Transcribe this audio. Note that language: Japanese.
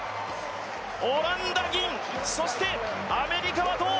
オランダ銀、そして、アメリカは銅。